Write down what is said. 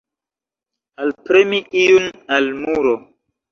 Alpremi iun al muro.